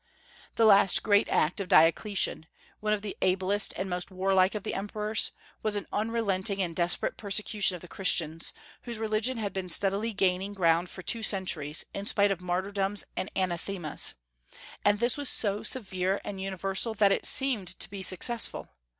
The last great act of Diocletian one of the ablest and most warlike of the emperors was an unrelenting and desperate persecution of the Christians, whose religion had been steadily gaining ground for two centuries, in spite of martyrdoms and anathemas; and this was so severe and universal that it seemed to be successful.